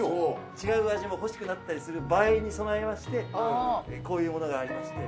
違う味も欲しくなったりする場合に備えましてこういうものがありまして。